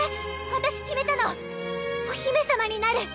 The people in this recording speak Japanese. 私決めたのお姫様になる。